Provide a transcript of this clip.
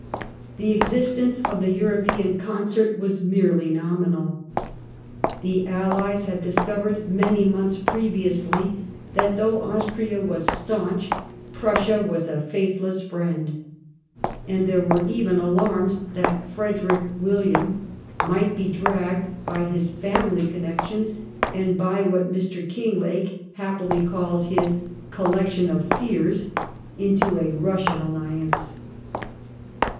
The existence of the European concert was merely nominal. The Allies had discovered, many months previously, that though Austria was staunch, Prussia was a faithless friend; and there were even alarms that Frederick William might be dragged by his family connections, and by what Mr. Einglake happily calls his ''collection of fears,'' into a Kussian alliance.